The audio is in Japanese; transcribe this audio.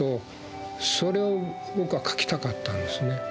それを僕は書きたかったんですね。